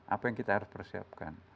apa yang kita harus persiapkan